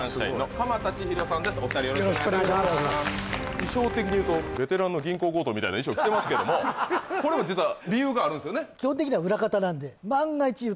衣装的にいうとベテランの銀行強盗みたいな衣装着てますけどもこれも実は理由があるんですよね